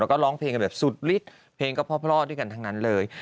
แล้วก็ร้องเพลงกันแบบสุดฤทธิ์เพลงก็เพราะด้วยกันทั้งนั้นเลย